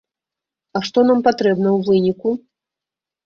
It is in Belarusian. А што нам патрэбна ў выніку?